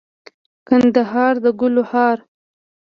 کندهار دګلو هار